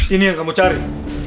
ini yang kamu cari